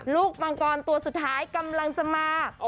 มังกรตัวสุดท้ายกำลังจะมา